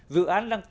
dự án đang chống dịch